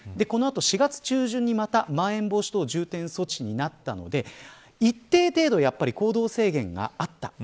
この後、４月中旬にまたまん延防止等重点措置になったので一定程度やっぱり行動制限があった。